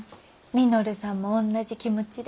稔さんもおんなじ気持ちで。